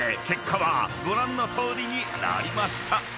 ［結果はご覧のとおりになりました］